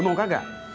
lu mau kagak